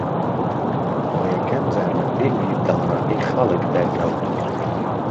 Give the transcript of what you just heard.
بۆ یەکەم جار لە فیلمی «دڵڕەقی خەڵک» دەرکەوت